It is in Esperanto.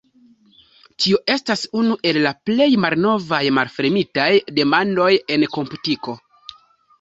Tio estas unu el la plej malnovaj malfermitaj demandoj en komputiko.